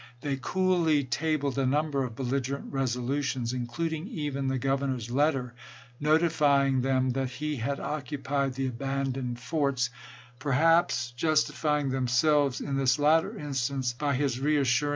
They coolly tabled a number of belligerent resolutions, including even the Gov ernor's letter notifying them that he had occupied the abandoned forts, perhaps justifying themselves in this latter instance by his reassuring phrase, Gov.